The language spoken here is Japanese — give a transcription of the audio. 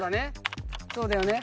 そうだね。